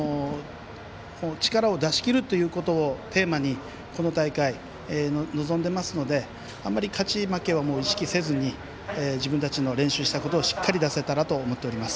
力を出しきるということをテーマにこの大会臨んでいますのであまり勝ち負けは意識せずに自分たちの練習したことを出せたらと思っています。